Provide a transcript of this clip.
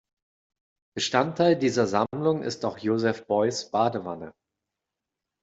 Bestandteil dieser Sammlung ist auch Joseph Beuys’ Badewanne.